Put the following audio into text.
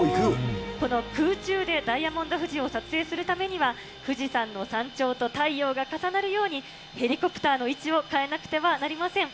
この空中でダイヤモンド富士を撮影するためには、富士山の山頂と太陽が重なるように、ヘリコプターの位置を変えなくてはなりません。